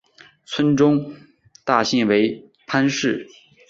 村中的大姓为樊氏。